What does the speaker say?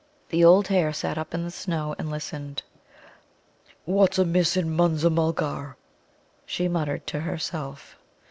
The old hare sat up in the snow and listened. "What's amiss in Munza mulgar?" she muttered to herself.